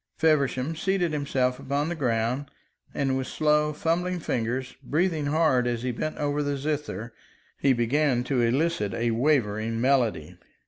Feversham seated himself upon the ground, and with slow, fumbling fingers, breathing hard as he bent over the zither, he began to elicit a wavering melody.